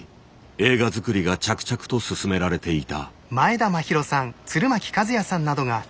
映画作りが着々と進められていた。